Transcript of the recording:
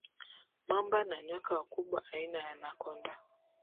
mamba na nyoka wakubwa aina ya anakonda